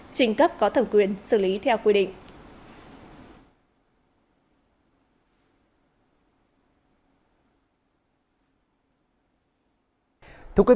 trình cấp có thẩm quyền xử lý theo quy định